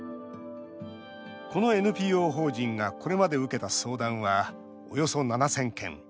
このＮＰＯ法人がこれまで受けた相談は、およそ７０００件。